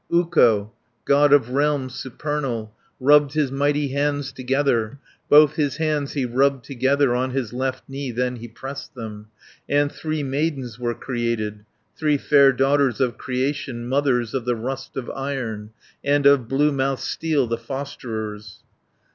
"Ukko, God of realms supernal, Rubbed his mighty hands together. 40 Both his hands he rubbed together, On his left knee then he pressed them, And three maidens were created, Three fair Daughters of Creation, Mothers of the rust of Iron, And of blue mouthed steel the fosterers.